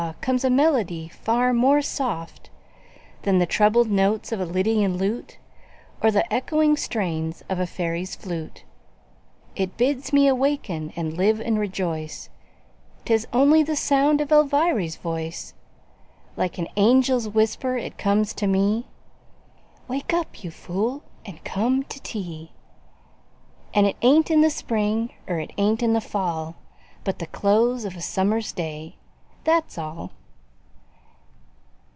comes a melody far more soft Than the troubled notes of a lydian lute Or the echoing strains of a fairy's flute; It bids me awaken and live and rejoice, 'Tis only the sound of Elviry's voice Like an angel's whisper it comes to me: "Wake up, you fool, and come to tea." An' it ain't in the spring er it ain't in the fall, But the close of a summer's day, That's all.